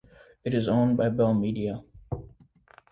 It is owned by Bell Media.